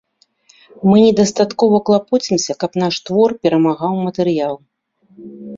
Мы недастаткова клапоцімся, каб наш твор перамагаў матэрыял.